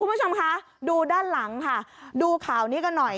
คุณผู้ชมคะดูด้านหลังค่ะดูข่าวนี้กันหน่อย